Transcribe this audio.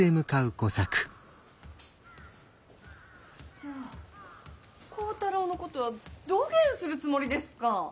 ・じゃあ幸太郎のことはどげんするつもりですか！